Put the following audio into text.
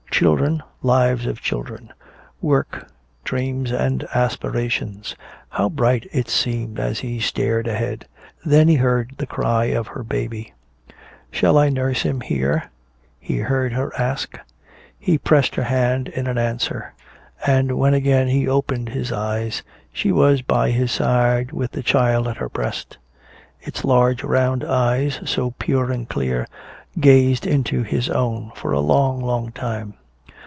Children, lives of children; work, dreams and aspirations. How bright it seemed as he stared ahead. Then he heard the cry of her baby. "Shall I nurse him here?" he heard her ask. He pressed her hand in answer. And when again he opened his eyes she was by his side with the child at her breast. Its large round eyes, so pure and clear, gazed into his own for a long, long time.